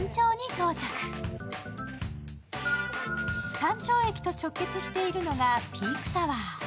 山頂駅と直結しているのがピーク・タワー。